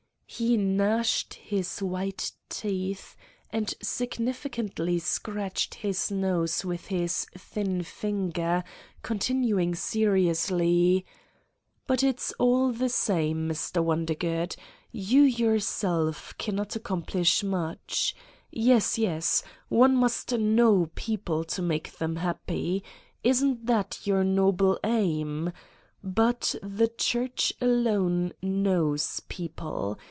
'' He gnashed his white teeth and significantly scratched his nose with his thin finger, continuing seriously: 71 Satan's Diary "But it's all the same, Mr. "Wondergood. You, yourself cannot accomplish much. ... Yes, yes! One must know people to make them happy. Isn't that your noble aim! But the Church alone knows people.